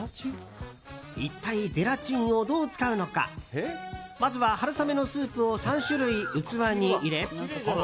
一体、ゼラチンをどう使うのかまずは春雨のスープを３種類、器に入れ。